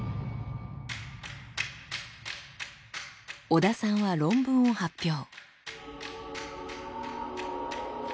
小田さんは論文を発表。